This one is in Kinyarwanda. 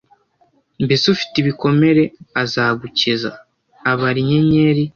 Mbese ufite ibikomere? Azagukiza. «Abara inyenyeri».